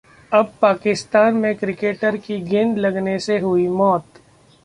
अब पाकिस्तान में क्रिकेटर की गेंद लगने से हुई मौत